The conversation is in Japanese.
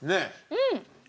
うん！